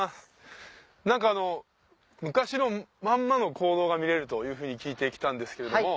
何か昔のまんまの坑道が見れるというふうに聞いて来たんですけれども。